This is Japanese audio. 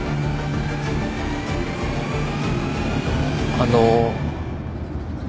あの。